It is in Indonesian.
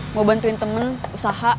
mau bantuin temen usaha